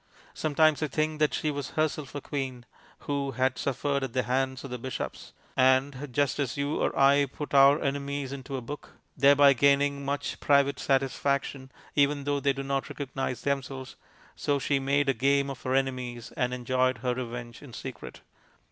Sometimes I think that she was herself a queen, who had suffered at the hands of the bishops; and, just as you or I put our enemies into a book, thereby gaining much private satisfaction even though they do not recognize themselves, so she made a game of her enemies and enjoyed her revenge in secret.